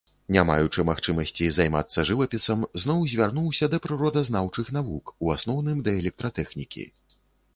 Не маючы магчымасці займацца жывапісам, зноў звярнуўся да прыродазнаўчых навук, у асноўным, да электратэхнікі.